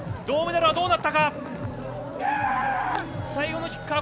銅メダルはどうなったか。